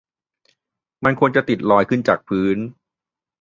มันควรจะติดลอยจากพื้น